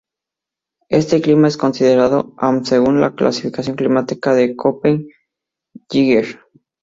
Este clima es considerado Am según la clasificación climática de Köppen-Geiger.